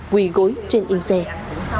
năm quyên bảo